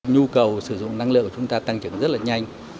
nhu cầu sử dụng năng lượng của chúng ta tăng trưởng rất là nhanh